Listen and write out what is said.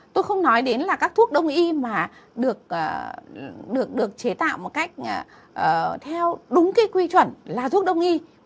tôi không nói đến là các thuốc đông y mà được chế tạo một cách theo đúng cái quy chuẩn là thuốc đông y